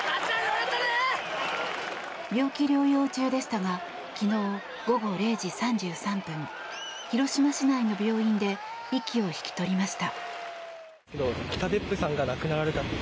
病気療養中でしたが昨日午後０時３３分広島市内の病院で息を引き取りました。